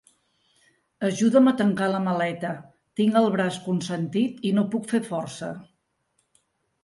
Ajuda'm a tancar la maleta: tinc el braç consentit i no puc fer força.